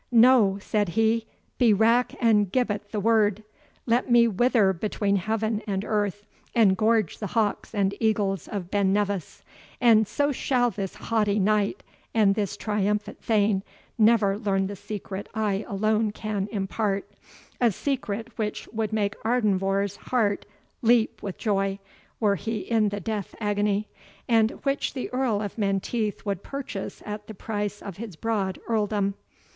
"No," said he, "be rack and gibbet the word! let me wither between heaven and earth, and gorge the hawks and eagles of Ben Nevis; and so shall this haughty Knight, and this triumphant Thane, never learn the secret I alone can impart; a secret which would make Ardenvohr's heart leap with joy, were he in the death agony, and which the Earl of Menteith would purchase at the price of his broad earldom.